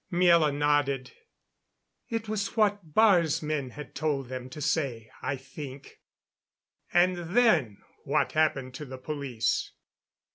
Miela nodded. "It was what Baar's men had told them to say, I think." "And then what happened to the police?"